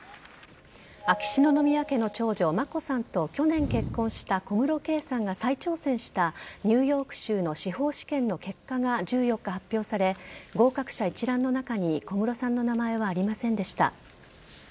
秋篠宮家の長女・眞子さんと去年結婚した小室圭さんが再挑戦したニューヨーク州の司法試験の結果が１４日発表され合格者一覧の中に小室さんの名前はありませんでした。